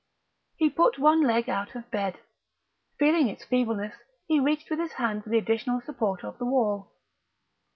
He put one leg out of bed. Feeling its feebleness, he reached with his hand for the additional support of the wall....